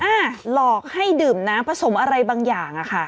หลอกให้ดื่มน้ำผสมอะไรบางอย่างอะค่ะ